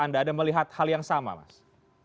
anda ada melihat hal yang sama mas